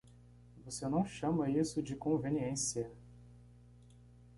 Você não chama isso de conveniência!